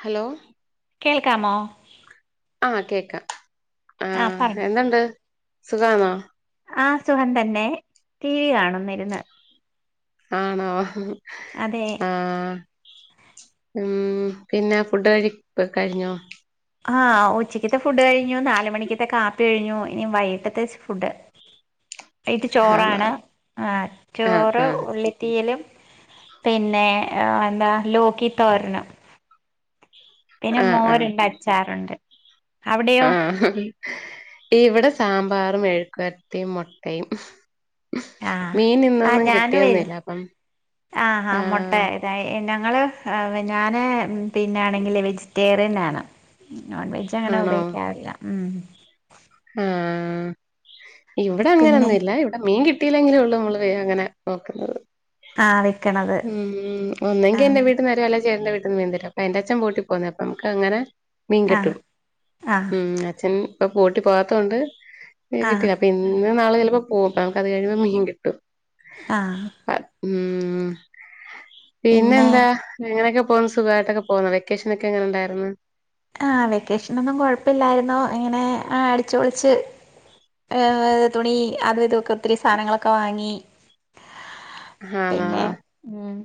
Hello. കേൾക്കാമോ? ആ കേക്കാം ആ ആഹ് പറഞ്ഞു എന്തണ്ട് സുഖാണോ? ആ സുഹം തന്നെ ടി വി കാണുന്നിരുന്ന്. ആണോ ഹ അതെ ആ മ് പിന്നെ ഫുഡ് കഴി കഴിഞ്ഞോ? ആഹ് ഉച്ചയ്ക്കത്തെ ഫുഡ് കഴിഞ്ഞു നാല്മണിക്കത്തെ കാപ്പി കഴിഞ്ഞു ഇനി വൈകിട്ടത്തെ ഫുഡ്. ഇത് ആണോ ചോറാണ് ആ ആഹ് ചോറ് ആഹ് ഉള്ളിത്തീയിലും പിന്നെ ആ ന്താ ലോകി തോരനും പിന്നെ ആഹ് ആഹ് മോരുണ്ട് അച്ചാറുണ്ട്. അവിടെയോ? ആഹ് ഇവിടെ സാമ്പാറും എഴുക്കുവറ്റയും മൊട്ടയും. ആഹ് മീൻ ഇന്നൊന്നും കിട്ടിയൊന്നില്ല അപ്പം ആ ആ മുട്ട ആഹ് ഇതായി ഞങ്ങള് ഹാ ഞാന് പിന്നാണെങ്കില് വെജിറ്റേറിയൻ ആണ്. നോൺവെജ് അങ്ങനെ ഉപയോഗിക്കാറില്ല മ്. ആ ഇവിടെ പിന്നെ അങ്ങനൊന്നുല്ല ഇവിടെ മീൻ കി ട്ടിലെങ്കിലേള്ളൂ മ്മള് വേം അങ്ങനെ നോക്കുന്നത്. ആ വെക്കണത് മ് മ് ആ ഒന്നെങ്കിന്റെ വീട്ടന്നരോ അല്ലെ ചേട്ടന്റെ വീട്ട് അപ്പൊന്റെ അച്ഛൻ പൂട്ടിപോന്നേ അപ്പമ്മക്കങ്ങനെ മീൻ ആ കിട്ടും ആ മ് അച്ഛൻ പ്പ പൂട്ടി പോവാത്തോണ്ട് ആ ഇന്നൊ നാളെ ചെല്പ്പോ പോവും ഞൻക്ക് അത് കഴിയുമ്പോ മീൻ കിട്ടും ആ അ ഉം പിന്നെ പിന്നെന്താ എങ്ങനെക്കെ [unintelligible] സുഖമയിട്ടൊക്കെ പോണ് വെക്കേഷൻൊക്കെ എങ്ങനെണ്ടായിർന് ആ വെക്കേഷനൊന്നും കൊഴപ്പില്ലായിരുന്നു ഇങ്ങനെ ആ അടിച്ച് പൊളിച്ച് ഏ തുണി അതെ തുക്കത്തിൽ സാധനങ്ങളൊക്കെ വാങ്ങി ആണോ പിന്നെ ഉം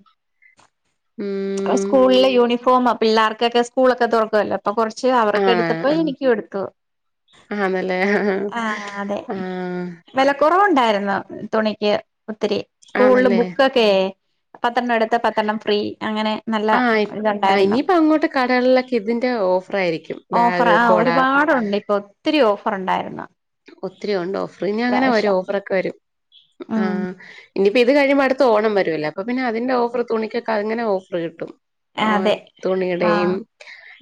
ഉം സ്കൂളിലെ യൂണിഫോം പിള്ളാർക്കൊക്കെ സ്കൂളൊക്കെ തോറ്ക്കുവല്ലോ പ്പ കൊറ്ച്ച് അവർക്കെടുത്തപ്പോ ആഹ് എനിക്കുംടുത്തു ആണല്ലേ ആ അതെ ആഹ് വെല ക്കുറവുണ്ടായി അ തുണിക്ക് ഒത്തിരി സ്കൂളിൽ ആണല്ലേ ബുക്കോക്കെ പത്തണ്ണം എടുത്താ പത്തണ്ണം ഫ്രീ അങ്ങനെ നല്ല ആ ഇതുണ്ടായിരുന്നു ഇനിയിപ്പോ അങ്ങോട്ട് കടകളിലൊക്കെ ഇതിന്റെ ഓഫറായിരിക്കും ഓഫർ ബാഗ് ആ കോ ഒരുപാടുണ്ട് പ്പൊ ഒത്തിരി ഓഫറുണ്ടായിരുന്നു ത്തിരിയുണ്ട് ഓഫർ ഇനി അങ്ങനെ വരു ഓഫറൊക്കെ വരും ആ ഉം ഇനിയിപ്പ ഇത് കഴിയുമ്പോ അടുത്ത ഓണം വരൊല്ലോ അപ്പ പിന്നെ അതിന്റെ ഓഫർ തുണിക്കൊക്കെ അങ്ങനെ ഓഫറ് കിട്ടും ഹേ അതെ തുണിയുടെയും ആഹ്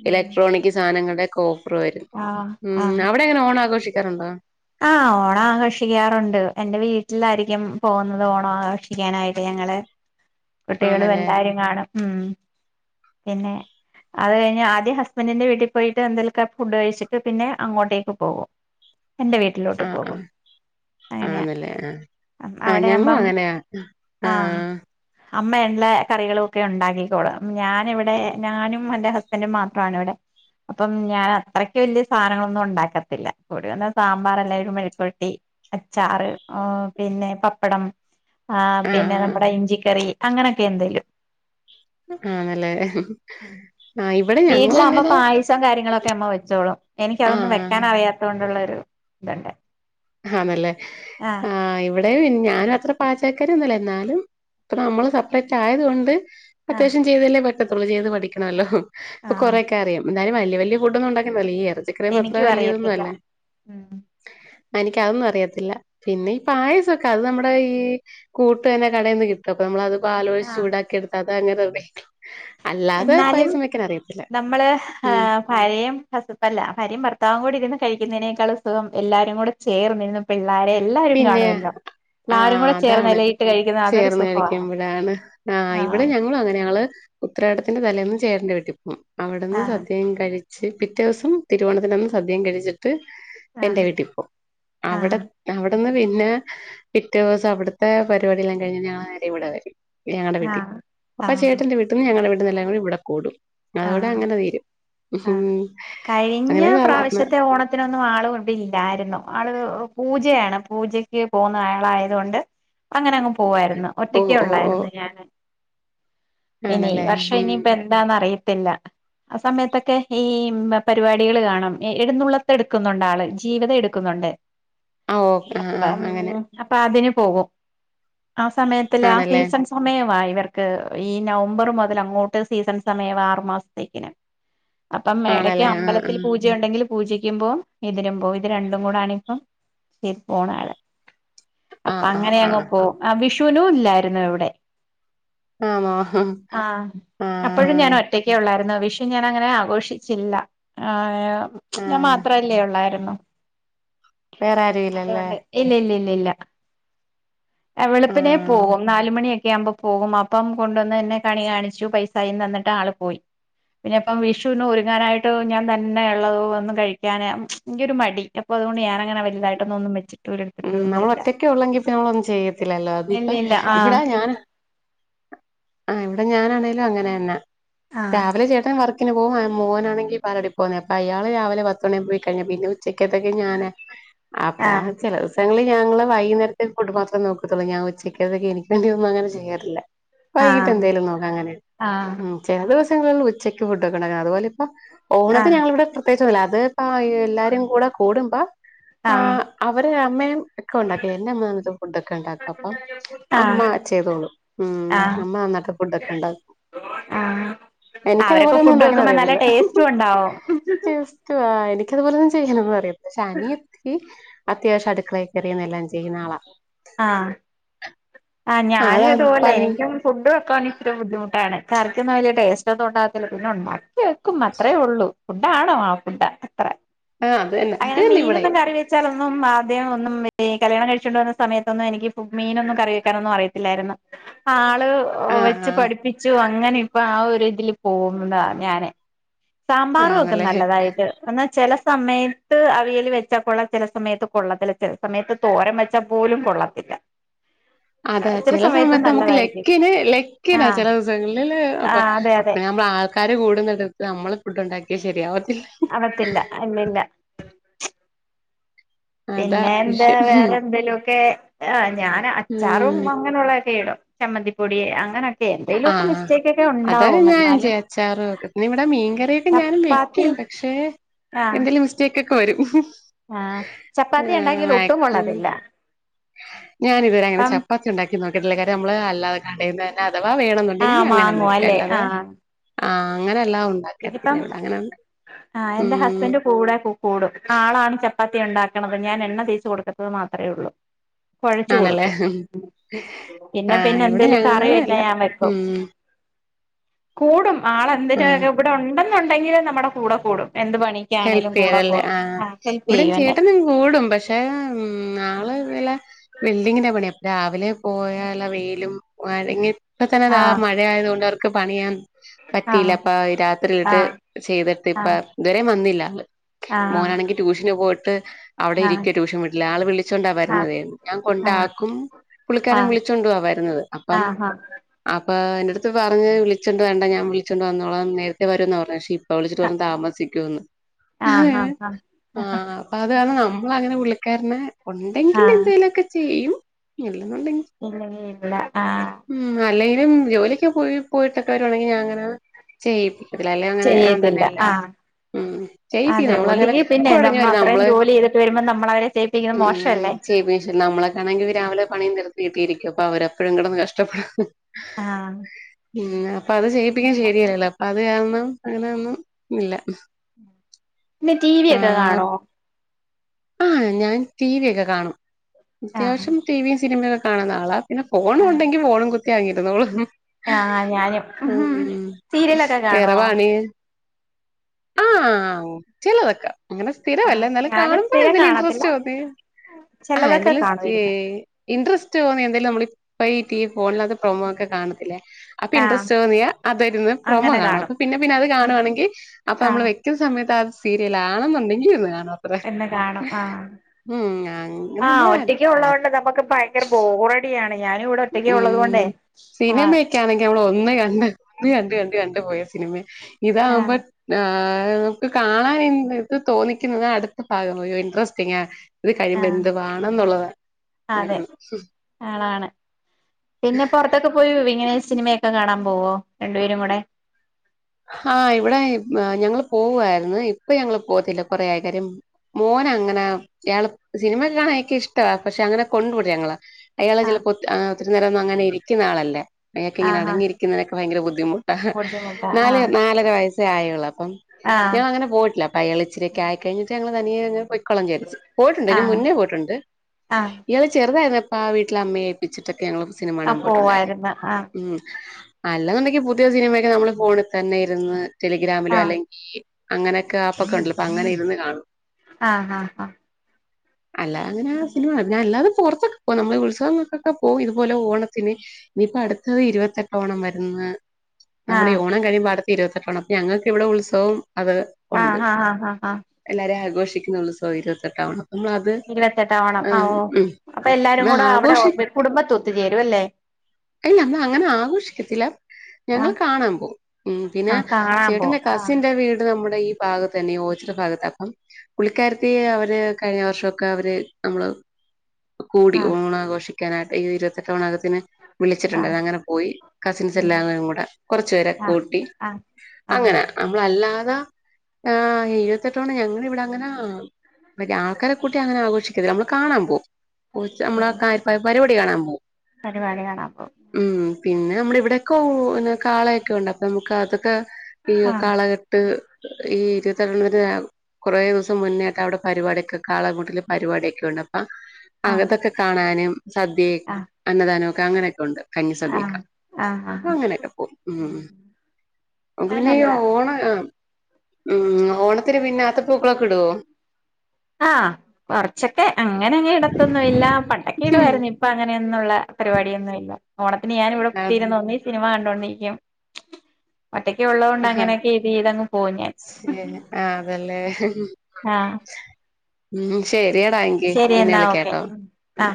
ഇലക്ട്രോണിക് സാധനങ്ങളുടെക്കെ ഓ വരും ആഹ് ഉ അവിടെങ്ങനെ ഓണം ആഘോഷിക്കാറുണ്ടോ ആ ഓണം ആഘോഷിക്കാറുണ്ട് എൻറെ വീട്ടിലായിരിക്കും പോകുന്നത് ഓണം ആഘോഷിക്കാനായിട്ട് ഞ ങ്ങെളെ കുട്ടികളും ആണല്ലേ എല്ലാരും കാണും ഉ പിന്നെ അത് കഴിഞ് ആദ്യം ഹസ്ബൻഡിന്റെ വീട്ടിപോയിട്ട് എന്തേലോക്കെ ഫുഡ് കഴിച്ചിട്ട് പിന്നെ അങ്ങോട്ടേക്ക് പോകും എന്റെ വീട്ടിലോട്ട് ആഹ് പോകും ആഹ് അങ്ങനെയാ ആന്നല്ലേ ആ ആ അവിടെ ഞങ്ങും ആകുമ്പം അങ്ങനെയാ ആ ആഹ് അമ്മ ഉുള്ള കറികളും ഒക്കെ ഉണ്ടാക്കിക്കോളും ഞാനിവിടെ ഞാനും എന്റെ ഹസ്ബൻറും മാത്രാണ് വിടെ അപ്പം ഞാൻ അത്രയ്ക്ക് വലിയ സാനങ്ങളൊന്നും ഉണ്ടാക്കത്തില്ല കൂടിവെന്നാ സാമ്പാർ [unintelligible] മെഴുക്കൊട്ടി അച്ചാറ് പിന്നെ പപ്പടം ആ പിന്നെ ആഹ് നമ്മുടെ ഇഞ്ചിക്കറി അങ്ങനൊക്കെ എന്തേലും ആണല്ലേ വീട്ടില് അമ്മ പായസം കാര്യങ്ങളൊക്കെ അമ്മ വെച്ചോളും എനിക്ക് അതൊന്നും ആഹ് വെക്കാൻ അറിയാത്തോണ്ടുള്ള ഇതന്നെ ആണല്ലേ ആ ഇവിടെ ഞാനും അത്ര പാചകക്കാര്യോന്നല്ല എന്നാലും ഇപ്പ നമ്മള് സെപ്പറേറ്റ് ആയത് കൊണ്ട് ആ അത്യാവശ്യം ചെയ്തല്ലേ പറ്റത്തോള്ളൂ ചെയ്ത് പഠിക്കണല്ലോ ഇപ്പ ആ കൊറെക്കെ അറിയാം ന്തായാലും വല്ല്യ വല്ല്യ ഫുഡോന്നും [unintelligible] ഈ ഇറച്ചക്കറി അത്ര എനിക്കും വല്ല്യേതൊന്നും അറിയത്തില്ല അല്ലേ ഉം അ എനിക്ക് അഒന്നും അറിയത്തില്ല പിന്നെ ഈ പായസൊക്കെ അത് നമ്മുടെ ഈ കൂട്ട് തന്നെ കടയിന്ന് കിട്ടും അപ്പ നമ്മളത് പാലോഴി ആ ചൂടാക്കി എട്ത്ത അത് അങ്ങനെ അല്ലാതെ എന്നാലും പായസം വെക്കാനറി നമ്മള് പഴയും കസപ്പല്ല ഭാര്യേം ഭർത്താവും കൂടി ഇരുന്ന് കഴിക്കുന്നതിനേ ൾസുഖം എല്ലാരും കൂടെ ചേർന്ന് ന്ന് പിള്ളാരെ എല്ലാരും കാണോല്ലോ ആ അതാണ് ചേർന്ന് സുഖവാണ് കഴിക്കുംബയാണ് ആ ഇവിടെ ആഹ് ഞങ്ങളും അങ്ങനെങ്ങള് ഉത്രാടത്തിന്റെ തലേന്ന് ചേട്ടന്റെ വീട്ടി പോവും അവിടന്ന് ആഹ് സദ്യം കഴി പിറ്റേ ദിവസം തിരുവോണത്തിനന്ന് സദ്യം കഴിച്ചിട്ട് എന്റെ ആഹ് വീട്ടിൽ പോം അവടെ ആഹ് അവട്ന്ന് പിന്നെ പിറ്റേ ദിവസം അവട്ത്തെ പരിപാടി എല്ലാം കഴിഞ് ഞ [unintelligible] ഇവിടെ വരും ഞങ്ങളടെ വീട്ടിൽ ആഹ് അപ്പ ആഹ് ചേട്ടന്റെ വീട്ടിന്ന് ഞങ്ങളടെ വീട്ടീന്ന് ഏല്ലാവരും കൂടി ഇവിടെ കൂടും അതോടെ ആഹ് അങ്ങനെ തീരും ആഹ് കഴിഞ്ഞ അങ്ങനെ സാധാരണ പ്രാവശ്യത്തെ ഓണത്തിനൊന്നും ആള് [unintelligible] ല്ലായിരുന്നു ആള് പൂജയാണ് പൂജക്ക് പോകുന്ന ആളായത് കൊണ്ട് അങ്ങനെ അങ്ങ് പോവായിരുന്നു ഓഹ് ഓഹ് ഓഹ് ഒറ്റക്കെഒള്ളായിരുന്നു ഞാന് ഇനി ആണല്ലേ വർഷം ഉം ഇനിയിപ്പ എന്താന്ന അറിയത്തില്ല ആ സമയത്തൊക്കെ ഈ പരിപാടികൾ കാണാം എടുന്നള്ളത്തെ എടുക്കുന്നുണ്ട് ആള് ജീവിതം എടുക്കുന്നുണ്ട് ആഹ് ഓഹ് ആഹ് അപ്പ ആഹ് അങ്ങനെ അപ്പൊ അതിന് പോകും ആ സമയത്തി ആ ആണല്ലേ സീസൺ സമയമായി ഇവർക്ക് ഈ നവംബർ മുതൽ അങ്ങോട്ട് സീസൺ സമയം ആറു മാസത്തേക്കിന് അപ്പം മേടക്ക് ആണല്ലേ ആഹ് അമ്പലത്തിൽ പൂജ ഉണ്ടെങ്കിലും പൂജിക്കുമ്പോ എതിരുമ്പോ ഇത് രണ്ടും കൂടൊണ് ഇപ്പം ശ പോണ ആള്െ അപ്പൊ ആഹ് ആഹ് അങ്ങനെ അങ് ആഹ് പോഉ ആ വിഷുനും ഇല്ലായിരുന്നു വിടെ ആന്നോ ഹഹ് ആഹ് ല്ലായ്‌രു ന്നോ വിഷു ഞാൻ അങ്ങനെ ആഘോഷിച്ചില്ല ആ ഞാൻ ആഹ് മാത്രല്ലേ ഉള്ളായിരുന്നു വേറെ ആരും ഹ ഇല്ലല്ലേ അതുകൊണ്ട് ഇല്ല ഇല്ല ഇല്ല ഇല്ല എ വെളുപ്പിനെ ആഹ് പോകും നാലുമണി ക് കെ അഉമ്പോ പോകും അപ്പം കൊണ്ടുവന്ന് എന്നെ കണി കാണിച്ചു പൈസായി തന്നിട്ട് ആള് പോയി പിന്നെ ഇപ്പം വിഷുന്ന് ഒരുങ്ങാനായിട്ട് ഞാൻ തന്നെ ഉള്ളത് ഒന്നും കഴിക്കാൻ ക്യോ ഒരു മടി അപ്പൊ കൊണ്ട് ഞാനങ്ങെനെ വൽതായിട്ടൊന്നും വച് ഉം നമ്മൾ ഒറ്റക്കെ ഉള്ളെങ്കി ഇപ്പ നമ്മള ഒന്നും ചെയ്യത്തില്ലല്ലോ അതിപ്പ ഇല്ല ഇല്ല ആഹ് ഇവിടാ ഞാൻ ആ് ഇവിടെ ഞാനാണെേലും അങ്ങനെന്നെ രാവിലെ ചേട്ടൻ വർക്ക് ക്ന് പോഅ മോനാണെങ്കിബാല വടി പോകേ അപ്പൊ അയാള് രാവിലെ പത്ത മണ പോയി കഴിഞ്ഞ പിന്നെ ഉച്ചയ്ക്കത്തൊക്കെ ഞാാന് ആപ്പാ ആഹ് ദിവസങ്ങള് ഞങ്ങള് വൈകുന്നരത്തെ ഫുഡ് മാത്രേ നോക്കത്തുള്ളൂഞാൻ ഉച്ചക്കതൊക്കെ എനിക്ക് വേണ്ടിന്നുംങ്ങനെ ചെയ്യാറില്ല വൈകിട്ട് ആഹ് എന്തേലും നോക്കാം അങ്ങനെ ആഹ് ഉ ചില ദിവസങ്ങളിൽ ഉച്ചക്ക് ഫുഡ്ക്കെ ണ്ടാ അതുപോലെ ഓണത്തി ആഹ് ഞങ്ങളിവിടെ പ്രത്യേകിച്ചൊന്നുല്ല അത്പ്പ എല്ലാരും കൂടെ കൂടുമ്പോ ആഹ് അവര് അമ്മയും ഒക്കെ ഉണ്ടാക്ക എന്റെ അമ്മ ഫുഡ ഒക്കെ ഉണ്ടാക്കും അപ്പം അമ്മ ചെയ്തോളൂ ഉം ആഹ് ആഹ് അമ്മ വന്നിട്ട് ഫുഡൊക്കെ ഇണ്ടാക്കും ആഹ് എനിക്ക അതുപോലെ അവരൊക്കെ ഒന്നും ഫുഡ് ഉണ്ടാക്കാൻ വെക്കുമ്പോ നല്ല അറിയൊന്നുല്ല ടേസ്റ്റും ഉണ്ടാവും ചസ്റ്റ് ആ എനിക്ക്ത്പൊലെൻ ചെയ്യനൊന്ന്അറിയത്തി പക്ഷെ അ നിയത്തിക് അത്യാവശ്യം അടുക്കള കറിയുന്നെല്ലാം ചെയ്യുന്ന ആളാ ആഹ് ആ അതാ ഞാനും ഇതുപോലെ പൺ എനിക്ക ഫുഡ് പണി ച്ട്ട് ബുദ്ധിമുട്ടാണ് കറിക്കൊന്നും വലിയ ടേസ്റ്റ് ഒന്നും ഉണ്ടാകത്തില്ല പിന്നെ ഉണ്ടാക്കി വെക്കും അത്രേ ഉള്ളൂ ഫുഡ ആണോ ആ ഫുഡ് അത്ര ആഹ് അത് തന്നെ അത് അങ്ങനെ തന്നെ മീനും ഇവിടെയും തൊക്കെ അറിവെച്ചാലൊ ന്നും ആദ്യം ഒന്നും ഈ കല്യാണം കഴിച്ചിണ്ടോന്ന സമയത്തൊന്നും എനിക്ക് മീനൊന്നും കറി വെക്കാനൊന്നും അറിയല്ലായിരുന്നു തെള് ഓ ആഹ് വെച്ച് ആഹ് പഠിപ്പിച്ചു അങ്ങനെ ഇപ്പൊ ആ ഒരു ഇതിൽ പോകുന്നത ഞാന് സാമ്പാറും ഒക്കെ ആണല്ലേ നല്ലതായിട്ട് എന്നാ ചില സമയത്ത് അവിയൽ വെച്ചാൽ കൊള്ള ചില സമയത്ത് കൊള്ളത്തില്ല ചില സമയത്ത് തോരം വെച്ചാ പോലും കൊള്ളത്തില്ല അതെ ചില സമയത്ത് നമ്മക്ക് ലക്കിന് ലക്കിനാ ആഹ് ചില ദിവസങ്ങളില് അപ്പൊ ആഹ് അതെ അതെ അപ്പമ്മ ആ ക്കാര് കൂടുന്നടടുത്ത് നമ്മള് ഫു്ണ്ടാക്കിയ ശരിയാവ അവത്തില്ല ഇല്ലല്ല അതാ പിന്നെ എന്താ വിഷയം വേറെ എന്തേലു ഒക്കെ ആ ഞാൻ അച്ചാറും ഉം അങ്ങനെയുള്ളൊക്കെ ഇടും ചമ്മന്തിപ്പൊടി അങ്ങനെ ആഹ് അതെ ഞാൻ എന്നാലും ചെയ്യ അച്ചാറും ഒക്കെ പിന്നെ ഇവിടെ മീൻകറിയൊക്കെ ഞാനും ചപ്പാത്തി വെക്ണ്ട് പക്ഷേ ആഹ് എന്തെലും മിസ്റ്റേക്ക്കൊക്കെ വരും ആഹ് ചപ്പാത്തി ഉണ്ടാക്യാൽ ഒട്ടും കൊള്ളതില്ല ഞാാന ഇതുവരെ അങ്ങനെ ചപ്പാത്തി ഉണ്ടാക്കി നോക്കിട്ടില്ല കാര്യം നമ്മള് അല്ലാതെ കടന്ന്ന്നെ അഥവാ വേണെന്നുണ്ടെങ്കിൽ ആഹ് അങ്ങനെ വാങ്ങും അല്ലെ മേടിക്കഅല്ലതെ ആഹ് ആ അങ്ങനെ ഇതിപ്പം ആ എന്റെ ഉം ഹസ്ബൻഡ കൂടെ കൂടും ആളാണ് പത്തി ഉണ്ടാക്കണത് ഞാൻ എണ്ണ തേച്ച കൊടുക്കത്തത് മാത്രമേ ഉള്ളൂ കുഴച്ചു ആണല്ലേ കൊടുക്കൂ പിന്നെ ആഹ് പിന്നെ ഇവിടെ എന്തേലും കറിണ്ടെ അങ്ങനെയല്ല ഞാൻ വെക്കും [inaudible] കൂടും ആഹ് ആളെന്തിനായാലും ഇവിടെ ഉണ്ടെന്നുണ്ടെങ്കില് നമ്മുടെ കൂടെ കൂടും. എന്ത് ഹെല്പ് പണിക്കാണേലും ചെയ്യൽ കൂടെ അല്ലെ. കൂടും ആഹ് ഹെൽപ് ഇവിടെ ചെയ്യും എന്നെ ചേട്ടനും കൂടും പക്ഷെ ആള് ബിൽഡിങ്ങിന്റെ പണിയ രാവിലെ പോയാല വെയിലും കൊഴെങ്ങി ഇപ്പത്തന്നെ താ ആഹ് മഴയായതുകൊണ്ട് അവർക്ക് പണിയാൻ പറ്റിയില്ല ആഹ് അപ്പ രാത്രിയിലിത്തെ ആഹ് ചെയ്തിട്ട് ഇപ്പ ഇതുവരെ വന്നില്ല ആള്. ആഹ് മോനാണെങ്കി ട്യൂഷന് പോയി അവിടെ ആഹ് ഇരിക്ക ട്യൂഷൻ വിട്ടില് ആള് വിളിച്ചോണ്ടാ വരുന്നതേ ഞാൻ ആഹ് കൊണ്ടാക്കും പുള്ളിക്കാരൻ ആഹ് വിളിച്ചൊണ്ടവാ വരുന്നത് അപ്പം ആഹ് ആഹ് ആഹ് അപ്പൊ എന്റെട്ത്ത് പറഞ്ഞ് വിളിചൊ ണ്ട് വേണ്ട ഞാൻ വിളിച്ചോണ്ട് വന്നോളാം നേരത്തെ വര്ന്ന് പറഞ്ഞ് പക്ഷെ ഇ വിളിച്ചിട്ട് പറഞ്ഞു താമസിക്കൊന്ന് ആഹ് ആഹ് ആഹ് ആ അപ്പ അത് ന നമ്മള് അങ്ങനെ പുള്ളിക്കാരനെ ഉണ്ടെങ്കിൽ ആഹ് എന്തെലൊക്കെ ചെയ്യും [unintelligible] മ് ഇല്ലെങ്കി ഇല്ല ആഹ് അല്ലേ ഞാനും ജോലിക്ക് പോയി പോയിട്ടക്കെ വര്ണെങ്കില് ഞാങ്ങനെ ചെയ്യ്പ്പി ചെയ്യത്തില്ല ആഹ് [unintelligible] [unintelligible] [unintelligible] അതെ ഓലിക്ക് പിന്നെ നമ്മൾ അത്രയും ജോലി ചെയ്തിട്ട് വരുമ്പോ നമ്മൾ അവരെ ചെയ്യിപ്പിക്കുന്നത് മോശമല്ലേ നമ്മളക്കാണെങ്കിൽ രാവിലെപണി നിർത്തിട്ടിയിരിക്കും. അപ്പൊ അവരപ്പോഴു കടെന്ന് കഷ്ടപ്പെട് ഹ് ആ ഉം അപ്പ അത് ചെയ്യിപ്പിക്ക്ണ് ശെ രിയല്ലല്ലോ അപ്പൊ അത് കാരണം അങ്ങനെയൊന്നും ഇല്ല. പിന്നെ ടി വി ഒക്കെ കാണോ? ആ ഞാൻ ടി വി ഒക്കെ കാണും ആഹ് അത്യാവശ്യം ടിവിയും സിനിമയൊ ക്കെ കാണുന്ന ആളാ പിന്നെ ഫോണും ആഹ് ഉണ്ടെങ്കി ഫോണും കുത്തിയാ ആങ്ങിയിരുന്നോളും ഹ് ആഹ് ഞാനും മ് ഉം സീരിയലൊക്കെ വേറെ കാണുവോ പണി ആ ചിലതൊക്കെ അങ്ങനെ ആഹ് സ്ഥിരമല്ല എന്നാലും ഞാനും കാണും. സ്ഥിരം കാണത്തില്ല ചിലതൊക്കെ കാണുമായിരുന്നു [inaudible] അപ്പൊ ഈ ടി വി, ഫോണിലൊക്കെ പ്രൊമോ ഒക്കെ കാണത്തില്ലേ അപ്പൊ ആഹ് ഇന്ട്രെസ്റ്റ് തോന്നിയാൽ അതിര്ന്ന് പ്രൊമോ കാണും. അപ്പൊ പിന്നെ പിന്നെ അത് കാണുവാണെങ്കിൽ അപ്പൊ നമ്മള് ആഹ് വെക്കുന്ന സമയത്ത് ആത് സീരിയലാണെന്ന്ണ്ടെങ്കിൽ ഇരുന്നു കാണും അത്രേ എന്ന് കാണും ആ ഉം അങ്ങനെ ആ ഒറ്റക്ക് ഉള്ള നമ്മള് കൊണ്ട് നമുക്ക് ഭയങ്കര ബോറടിയാണ് ഞാന് ഇവിടെ ഒറ്റക്ക ഉള്ളത് ഉം കൊണ്ടേ ആ സിനിമയൊക്കെ ആണെങ്കി നമ്മൾ ഒന്ന് കണ്ട് ഒന്ന് കണ്ട് കണ്ട് കണ്ട് പോയ സിനിമേ ഇതാവുമ്പോ ആഹ് ഏ അ നമുക്ക് കാണാൻ ഇ ഇത് തോന്നിക്ക്ന്നേ അട്ത്ത ഭാഗം ഒരു ഇൻട്രസ്റ്റിങ്ങേ ഇത് കഴിയുമ്പോ ആഹ് എന്ത്‌ വാണന്നുള്ളതാ അതെ അങ്ങനെയാണ് ഉം ആളാണ് പിന്നെ പൊറത്തൊക്കെ പോയി വിങ്ങനെ സിനിമയെക്കെ കാണാൻ പോവോ രണ്ടുപേരും കൂടെ ഹാ ഇവിടെ ഇ ഞങ്ങള് പോവായിരുന്നു ഇപ്പ ഞങ്ങള് പോവത്തില്ല കൊറേ ആയി കാര്യം മോ ഒനങ്ങനെ അയാള് സിനിമൊക്കെ കാണാൻ എനിക്ക് ഇഷ്ട്ടാ പക്ഷെ അങ്ങനെ കൊണ്ടവൂലങ്ങളെ അയാള് ചെലപ്പോ ഒത്ത് ആഹ് ഒത്തിരി നേരോന്നും അങ്ങനെ ഇരിക്ക്ന്നാളല്ല അയാക്ക് ഇങ്ങനെ ആഹ് ആഹ് അടങ്ങിയിരിക്കുന്നതിനൊക്കെ ഭയങ്കര ബുദ്ധിമു നാല് ആഹ് നാലര വയസ്സേ ആയൊള്ളൂ ന്നപ്പം ആഹ് ഞാ അങ്ങനെ പോയ്ട്ടില്ല ഇപ്പയാള് ഇച്ച് ര്യോക്കെ ആയിക്കഴിഞ്ഞിട്ട് ഞങ്ങള് തനിയെയങ്ങ് പൊയ്ക്കോളചാരിച്ച് പോയിട്ട്ണ്ട് ഇതിന് ആഹ് മുന്നേ പോയിട്ട്ണ്ട് ആഹ് ഇയാള് ചെറ്തായി അപ്പാ ആ വീട്ടില് അമ്മയെ ഏല്പ്പിച്ചിട്ടൊക്കെ ഞങ്ങള് ആ സിനിമാണാൻ പോയിട്ടുണ്ടായിരുന്നു പോവായിരുന്നു ആഹ് ഉം അല്ലെന്നുണ്ടെങ്കി പുത്യാ സിനിമയൊക്കെ നമ്മള് ഫോണ് തന്നെ ഇരുന്ന് ടെലിഗ്രാമിലോ ആഹ് അല്ലെങ്കി അങ്ങനെയൊക്കെ ആപ്പൊക്കെണ്ടല്ലോ അപ്പങ്ങനെ ഇര്ന്ന് കാണും ആഹ് ആഹ് ആഹ് അല്ലാ അങ്ങനെ ആ സിനിമ ഞാ അല്ലാതെ പൊറത്തൊക്ക് നമ്മള് ഈ ഉത്സവങ്ങൾക്കൊക്കെ പോകും ഇതുപോലെ ഓണത്തിന് ഇനിയിപ്പൊ അട്ത്തത് ഇരുപത്തെട്ടോണം വരുന്ന് നമ്മുടെ ഈ ആഹ് ഓണം കഴിയുമ്പോ അട്ത്ത ഇരുവത്തെട്ടോണം അപ്പൊ ഞങ്ങക്ക് ഇവടെ ഉത്സവം അത് ഉണ്ട് ആഹ് ആഹ് ആഹ് ആഹ് ആഹ് എല്ലാരും ആഘോഷിക്കുന്ന ഉത്സവാ ഇരുപത്തെട്ടാം ഓണം. നമ്മള് അത് ഇരുപത്തെട്ടാം ഓണം ഏ ആ ഓ ഉം അപ്പൊ എല്ലാരും കൂടെ അവടെ ഓ കുടുംബത്ത് ഒത്തുചേരും അല്ലേ ഇല്ലാ നമ്മള് അങ്ങനെ ആഘോഷിക്കത്തില്ല ഞങ്ങള് ആഹ് കാണാൻ പോവും ഉം പിന്നെ ആഹ് കാണാൻ ചേട്ടന്റെ പോവും ആഹ് കസിന്റെ വീട് നമ്മുടെ ഈ ഭാഗത്ത് തന്നെ ഓച്ചിറ ഭാഗത്ത് അപ്പം പുള്ളിക്കാര്ത്തി അവര് കഴിഞ്ഞ വർഷൊക്കെ അവര് നമ്മള് കൂടി ആഹ് ഓണംഘോഷിക്കാനായിട്ട് ഈ ഇരുപത്തെട്ട് ണകത്തിന് ആഹ് വിളിച്ചിട്ടുണ്ടായിരുന്നു അങ്ങനെ പോയി കസിൻസ് ഉം എല്ലാന്ന് കൂടെ കുറച്ചു പേരെ ആഹ് ഉം ആഹ് ആഹ് അങ്ങനെ നമ്മളല്ലാതെ ആഹ് ഇരുപത്തെട്ടു ണ് ഞങ്ങള് ഇവിടെ അങ്ങനെ മറ്റേ ആൾക്കാരെ കൂട്ടി അങ്ങനെ ആഘോഷിക്കരുത് നമ്മള് കാണാൻ പോവുംച്ച് ഓക്കെ നമ്മള പരിപാടി കാണാൻ പോകും പരിപാടി [unintelligible] നന്നാക്കും പിന്നെ നമ്മുടെ ഇവിടെ ക്കൗ പിന്നെ കാളയൊക്കെ ഉണ്ട് അപ്പൊ നമുക്ക് അതൊക്കെ ഈ ആഹ് കാളകെട്ട് ഈ ഇരുപത്തി അറ്ണൂറ്കൊ. റേ ദിവസം മുന്നേ അടെടെ പരിപാടൊക്കെ കാളകൂട്ടില് പരിപാടൊക്കെ ഉണ്ട്അപ്പ ആഹ് അകതൊക്കെ കാണാനും സദ്യയേ ആഹ് അന്നദാനമൊക്കെ അങ്ങനെയൊക്കെ ഉണ്ട് കഞ്ഞി സതൈക്കാം ആഹ് ആഹ് ആഹ് അങ്ങനെയൊക്കെ പോകും ഉം ഉം നക്ക് അത് പിന്നെ ഈ നല്ലതാ ഓണ ഉം ഓണ ഇത്തിരി പിന്നെ അത് പൂക്കളക്കെ ഇടോ ആഹ് കൊറച്ചൊക്കെ അങ്ങനെങ്ങെ ഇടത്തൊന്നുഇല്ല. പണ്ടൊക്കെ ഉം. ഇടുവാര്ന്നു. ഇപ്പൊ അങ്ങനെ ന്നുള്ള പരിപാടി ഒന്നുംല്ല. ഓണത്തിന് ഞാന് ഇവടെ അത് തീരുന്ന ഒന്നി സിനിമ ക ണ്ടിരിക്കും ഒറ്റയ്ക്കെ ഉള്ളതത് കൊണ്ട് ആഹ് അങ്ങനെയൊക്കെ ഇത് ചെയ്തങ്ങ് പോകും ഞാൻ ശരി ആ അതല്ലേ ആഹ് ഉം ശെരിയടാ എങ്ക ശരി പിന്നെ എന്നാ ഓക്കെ വിളിക്കാട്ടോ ഉം ആഹ്